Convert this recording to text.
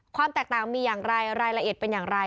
ความแตกต่างมีอย่างไรรายละเอียดเป็นอย่างไร